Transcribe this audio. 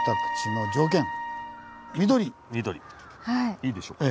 いいでしょうか？